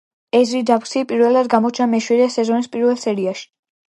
ეზრი დაქსი პირველად გამოჩნდა მეშვიდე სეზონის პირველ სერიაში.